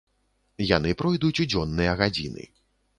Яны пройдуць у дзённыя гадзіны.